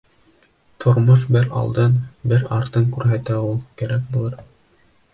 Тормош бер алдын, бер артын күрһәтә ул. Кәрәк булыр...